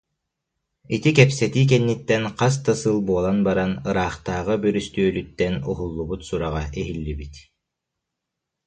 Ити кэпсэтии кэнниттэн хас да сыл буолан баран ыраахтааҕы бүрүстүөлүттэн уһуллубут сураҕа иһиллибит